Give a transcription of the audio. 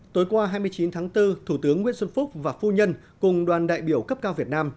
tối qua hai mươi chín tháng bốn thủ tướng nguyễn xuân phúc và phu nhân cùng đoàn đại biểu cấp cao việt nam